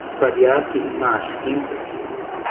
Pariaki imashikinta